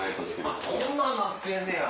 あっこんなんなってんねや。